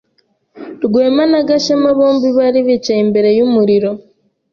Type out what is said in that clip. Rwema na Gashema bombi bari bicaye imbere yumuriro.